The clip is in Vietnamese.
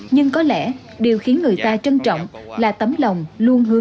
nhưng có lẽ điều khiến người ta trân trọng là tấm lòng luôn hướng về quê hương đất nước